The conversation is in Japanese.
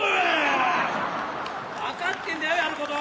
分かってんだよやること！